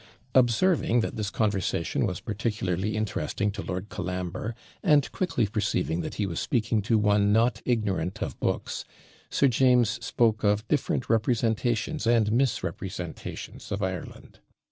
Observing that this conversation was particularly interesting to Lord Colambre, and quickly perceiving that he was speaking to one not ignorant of books, Sir James spoke of different representations and misrepresentations of Ireland.